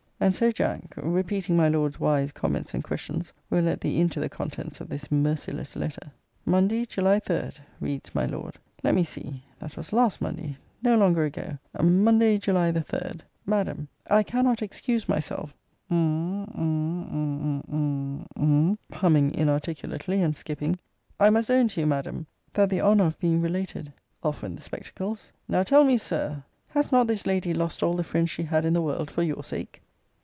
And so, Jack, repeating my Lord's wise comments and questions will let thee into the contents of this merciless letter. 'Monday, July 3,' [reads my Lord.] Let me see! that was last Monday; no longer ago! 'Monday, July the third Madam I cannot excuse myself' um, um, um, um, um, um, [humming inarticulately, and skipping,] 'I must own to you, Madam, that the honour of being related' Off went the spectacles Now, tell me, Sir r, Has not this lady lost all the friends she had in the world for your sake?